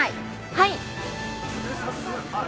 はい。